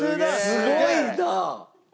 すごいな！